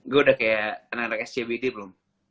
gue udah kayak anak anak scbd belum